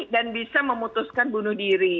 dan bisa memutuskan bunuh diri